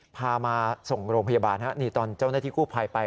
พามาส่งโรงพยาบาลนี่ตอนเจ้าหน้าที่กู้ภัยไป